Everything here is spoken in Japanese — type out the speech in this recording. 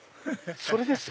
それですよ。